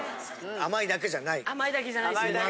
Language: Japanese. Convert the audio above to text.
「甘いだけじゃない」